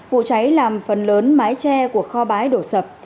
vụ cháy làm phần lớn mái tre của kho bái đổ sập